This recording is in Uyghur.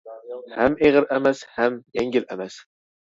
ھەم ئېغىر ئەمەس، ھەم يەڭگىل ئەمەس.